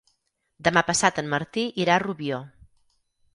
Demà passat en Martí irà a Rubió.